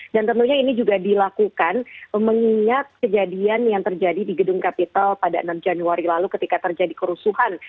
dan tentunya ini juga dilakukan mengingat kejadian yang terjadi di gedung kapital pada enam januari lalu ketika terjadi kerusuhan